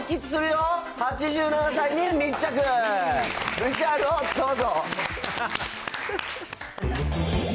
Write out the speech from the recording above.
ＶＴＲをどうぞ。